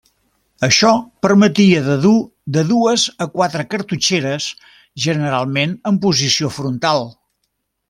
Això permetia de dur de dues a quatre cartutxeres, generalment en posició frontal.